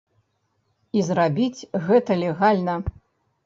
І зрабіць гэта легальна.